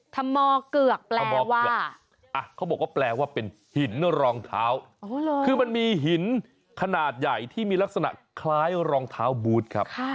ธมอเกือกแปลว่าเกือกเขาบอกว่าแปลว่าเป็นหินรองเท้าคือมันมีหินขนาดใหญ่ที่มีลักษณะคล้ายรองเท้าบูธครับ